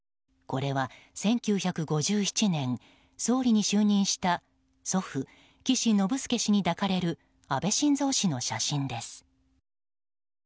これは１９５７年総理に就任した祖父、岸信介氏に抱かれる安倍晋三氏の写真です。